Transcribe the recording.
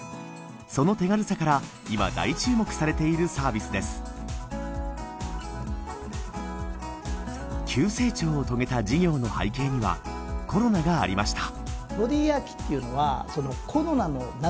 その手軽さから今大注目されているサービスです急成長を遂げた事業の背景にはコロナがありました